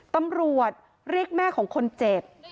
ตำรวจเรียกแม่ของคนเจ็บ